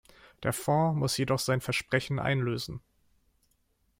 Der Fonds muss jedoch sein Versprechen einlösen.